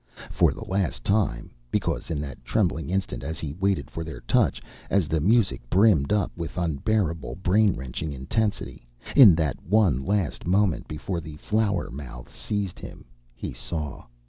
For the last time because in that trembling instant as he waited for their touch, as the music brimmed up with unbearable, brain wrenching intensity, in that one last moment before the flower mouths seized him he saw.